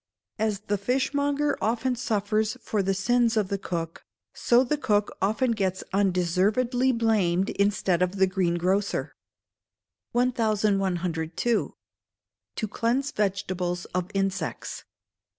As the fishmonger often suffers for the sins of the cook, so the cook often gets undeservedly blamed instead of the greengrocer. 1102. To Cleanse Vegetables of Insects.